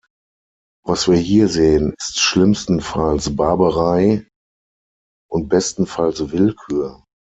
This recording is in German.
Was wir hier sehen, ist schlimmstenfalls Barbarei und bestenfalls Willkür.